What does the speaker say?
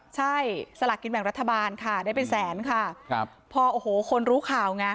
ใช่สลากกินแบ่งรัฐบาลค่ะได้เป็นแสนค่ะครับพอโอ้โหคนรู้ข่าวไง